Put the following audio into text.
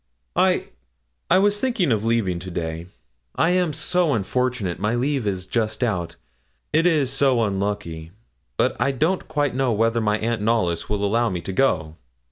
'I I was thinking of leaving today; I am so unfortunate my leave is just out it is so unlucky; but I don't quite know whether my aunt Knollys will allow me to go.'